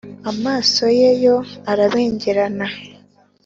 amaso ye yo arabengerana